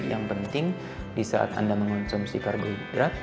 yang penting di saat anda mengonsumsi karbohidrat